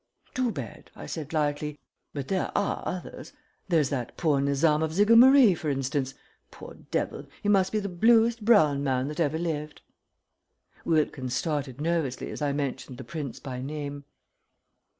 "Too bad," I said, lightly, "but there are others. There's that poor Nizam of Jigamaree, for instance poor devil, he must be the bluest brown man that ever lived." Wilkins started nervously as I mentioned the prince by name.